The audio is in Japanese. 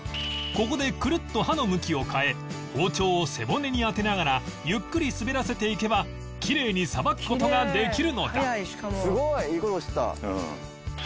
ここでくるっと刃の向きを変え包丁を背骨に当てながらゆっくり滑らせていけばきれいにさばく事ができるのだ